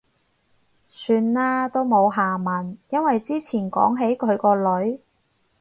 算喇，都冇下文。因為之前講起佢個女